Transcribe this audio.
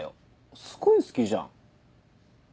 すごい好きじゃん。